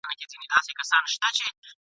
خبره د عادت ده ..